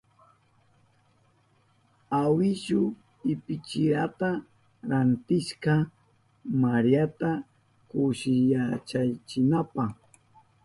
Awishu ibichirata rantishka Mariata kushillayachinanpa.